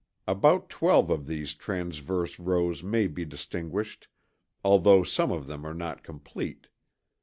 About 12 of these transverse rows may be distinguished, although some of them are not complete.